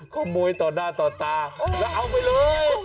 ขโมยต่อหน้าต่อตาแล้วเอาไปเลย